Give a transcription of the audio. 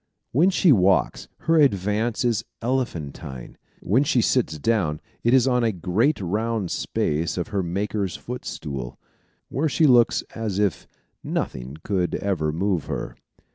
When she walks, her advance is elephantine. When she sits down it is on a great round space of her Maker's footstool, where she looks as if nothing could ever move her.